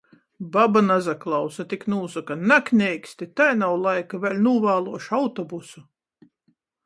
Baba nasaklausa, tik nūsoka: Nakneiksti! Tai nav laika, vēļ nūvāluošu autobusu!